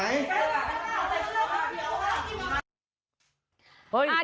ไปแล้วค่ะไปทางนี้ค่ะ